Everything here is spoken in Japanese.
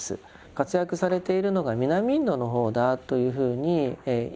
活躍されているのが南インドの方だというふうにいわれています。